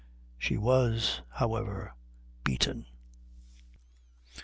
She was, however, beaten.